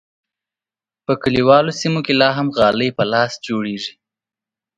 په کلیوالو سیمو کې لا هم غالۍ په لاس جوړیږي.